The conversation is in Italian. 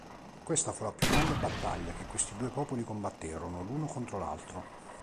Questa fu la più grande battaglia che questi due popoli combatterono l'uno contro l'altro.